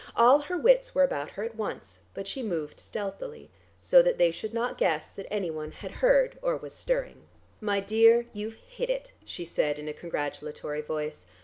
All her wits were about her at once, but she moved stealthily, so that they should not guess that anyone had heard or was stirring. "My dear, you've hit it," she said in a congratulatory voice.